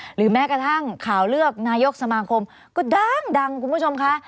หรือแม้กระทั่งข่าวเลือกนายกสมาคมก็ดังคุณผู้ชมค่ะ